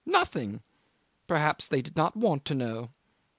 nothing! Perhaps they did not want to know."